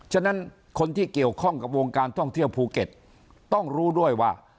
ฉะนั้นคนที่เกี่ยวข้องกับวงการท่องเที่ยวภูเก็ตต้องรู้ด้วยว่า